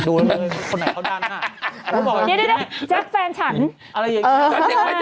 คนไหนเขาดันอ่ะ